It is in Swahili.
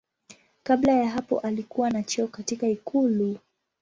Kabla ya hapo alikuwa na cheo katika ikulu.